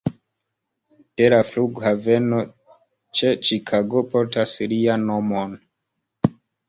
De la flughaveno ĉe Ĉikago portas lian nomon.